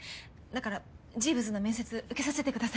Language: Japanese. だからジーヴズの面接受けさせてください